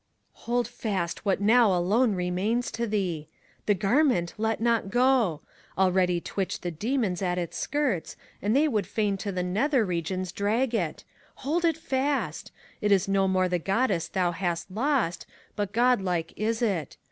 Hold fast what now alone remains to thee f The garment let not go ! Already twitch The Demons at its skirts, and they would fain To the Nether Regions drag it ! Hold it fast ! It is no more the Goddess thou hast lost, But godlike is it.